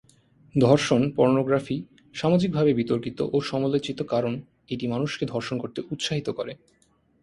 ধর্ষণ পর্নোগ্রাফি সামাজিকভাবে বিতর্কিত ও সমালোচিত কারণ এটি মানুষকে ধর্ষণ করতে উৎসাহিত করে।